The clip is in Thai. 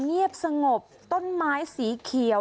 เงียบสงบต้นไม้สีเขียว